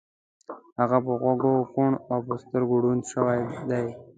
هغه په غوږو کوڼ او په سترګو ړوند شوی دی